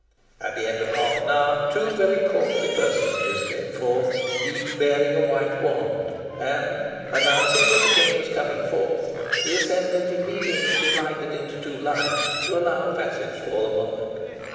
At the end of half an hour two very courtly personages came forth, each bearing a white wand, and, announcing that the King was coming forth, the assemblage immediately divided into two lines to allow a passage for the monarch.